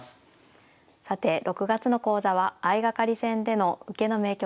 さて６月の講座は相掛かり戦での受けの名局。